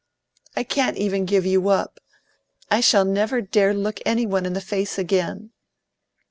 "I can't even give you up! I shall never dare look any one in the face again.